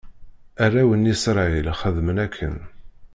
Arraw n Isṛayil xedmen akken.